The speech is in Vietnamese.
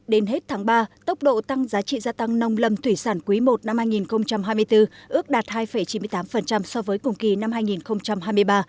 đến hết tháng ba tốc độ tăng giá trị gia tăng nông lầm thủy sản quý i năm hai nghìn hai mươi bốn ước đạt hai chín mươi tám so với cùng kỳ năm hai nghìn hai mươi ba